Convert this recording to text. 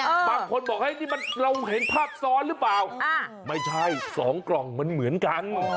บางคนบอกเฮ้ยนี่มันเราเห็นภาพซ้อนหรือเปล่าอ่าไม่ใช่สองกล่องมันเหมือนกัน